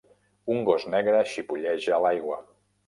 Un gos negre xipolleja a l'aigua.